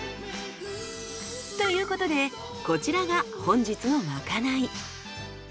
ということでこちらが本日のまかない。